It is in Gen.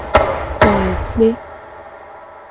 Kle kpe.